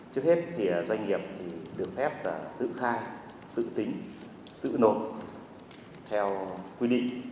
trước hết thì doanh nghiệp được phép tự khai tự tính tự nộp theo quy định